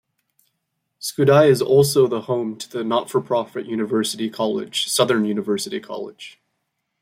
Skudai is also home to the not-for-profit university college Southern University College.